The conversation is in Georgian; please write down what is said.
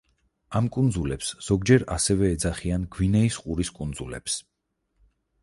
ამ კუნძულებს ზოგჯერ ასევე ეძახიან გვინეის ყურის კუნძულებს.